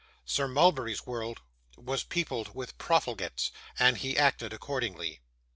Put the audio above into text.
Sir Mulberry's world was peopled with profligates, and he acted accordingly.